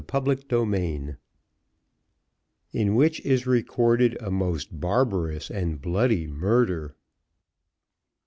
Chapter XXXIX In which is recorded a most barbarous and bloody murder.